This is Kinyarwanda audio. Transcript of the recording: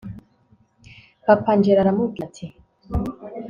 papa angella aramubwira ati